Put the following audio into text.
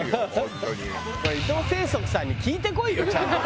伊藤政則さんに聞いてこいよちゃんと！